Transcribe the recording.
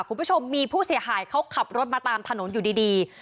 คุณผู้ชมมีผู้เสียหายเขาขับรถมาตามถนนอยู่ดี